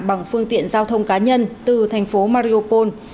bằng phương tiện giao thông cá nhân từ thành phố mariopol